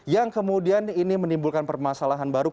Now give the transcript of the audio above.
yang kemudian ini menimbulkan permasalahan baru